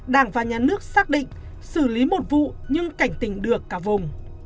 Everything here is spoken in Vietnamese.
đảng và nhà nước xác định xử lý một vụ nhưng cảnh tình được cả vùng